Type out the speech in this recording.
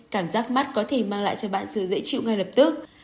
cảm giác mắt có thể mang lại cho bạn sự dễ chịu ngay lập tức